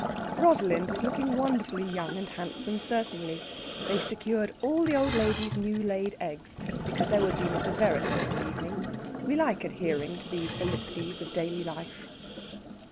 Rosalind was looking wonderfully young and handsome, certainly. They secured all the old lady's new laid eggs, because there would be Mrs. Vereker in the evening. We like adhering to these ellipses of daily life.